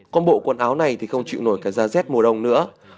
còn bộ quần áo này thì không chịu nổi cả da rét mùa đông nữa